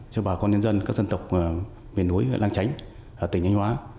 cho bà con nhân dân các dân tộc miền núi lạng chánh tỉnh anh hóa